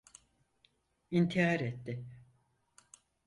İntihar etti.